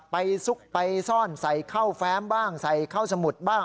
ซุกไปซ่อนใส่เข้าแฟ้มบ้างใส่เข้าสมุดบ้าง